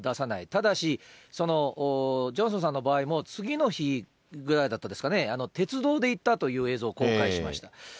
ただし、その、ジョンソンさんの場合も次の日ぐらいだったですかね、鉄道で行ったという映像を公開しました。